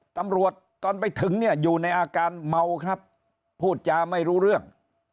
ตอนไปถึงเนี่ยอยู่ในอาการเมาครับพูดจาไม่รู้เรื่อง